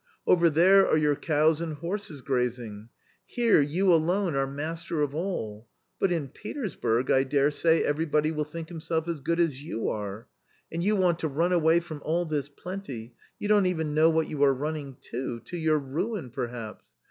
Over there are your cows and horses grazing. Here you alone are master of all, but in Petersburg I daresay everybody will think himself as good as you are. And you want to run away from all this plenty, you don't even know what you are running to — to your ruin perhaps.